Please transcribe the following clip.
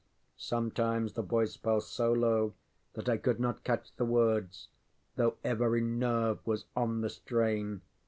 Sometimes the voice fell so low that I could not catch the words, though every nerve was on the strain.